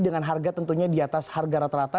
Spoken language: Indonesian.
dengan harga tentunya di atas harga rata rata